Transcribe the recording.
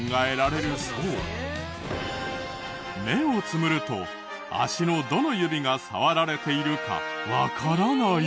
目をつむると足のどの指が触られているかわからない？